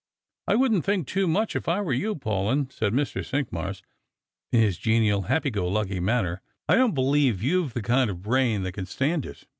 " I wouldn't think too much if I were you, Paulyn," said Mr. Cimqmars, in his genial, happy go lucky manner ;" I don't be lieve you've the kind of brain that can stand it.